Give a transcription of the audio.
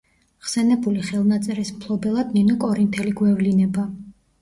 ხსენებული ხელნაწერის მფლობელად ნინო კორინთელი გვევლინება.